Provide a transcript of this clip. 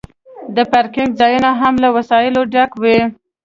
د پارکینګ ځایونه هم له وسایلو ډک وي